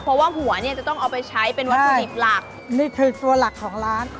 เพราะว่าหัวเนี่ยจะต้องเอาไปใช้เป็นวัตถุดิบหลักนี่คือตัวหลักของร้าน